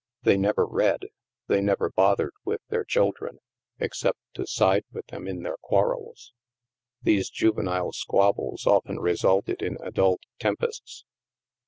They never read. They never bothered with their children, except to side with them in their quar THE MAELSTROM 207 rels. These juvenile squabbles often resulted in adult tempests.